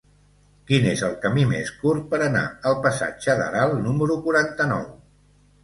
Quin és el camí més curt per anar al passatge d'Aral número quaranta-nou?